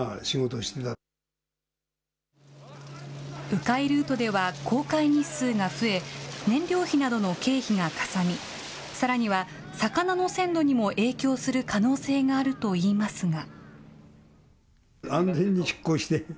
う回ルートでは航海日数が増え、燃料費などの経費がかさみ、さらには魚の鮮度にも影響する可能性があるといいますが。